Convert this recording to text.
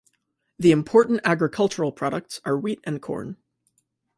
The important agricultural products are wheat and corn.